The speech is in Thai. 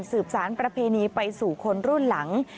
สารประเพณีไปสู่คนรุ่นหลัง